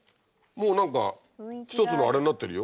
もう何か１つのあれになってるよ。